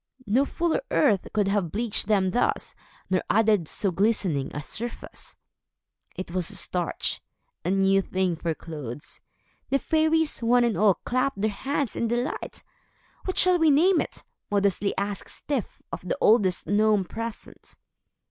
No fuller's earth could have bleached them thus, nor added so glistening a surface. It was starch, a new thing for clothes. The fairies, one and all, clapped their hands in delight. "What shall we name it?" modestly asked Styf of the oldest gnome present.